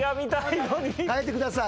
変えてください。